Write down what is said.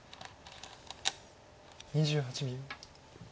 ２８秒。